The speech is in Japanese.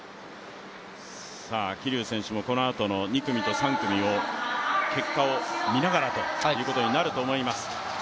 桐生選手もこのあとの２組、３組の結果をみながらということになると思います。